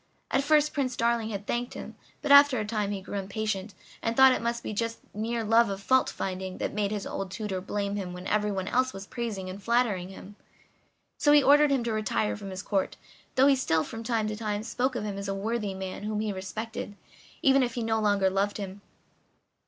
At first Prince Darling had thanked him, but after a time he grew impatient and thought it must be just mere love of fault finding that made his old tutor blame him when everyone else was praising and flattering him. So he ordered him to retire from his Court, though he still, from time to time, spoke of him as a worthy man whom he respected, even if he no longer loved him.